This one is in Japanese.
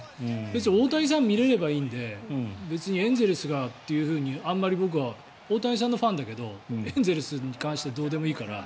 別に大谷さんを見れればいいのでエンゼルスがというふうにあまり僕は大谷さんのファンだけどエンゼルスに関してはどうでもいいから。